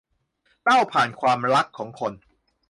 เล่าผ่านความรักของคน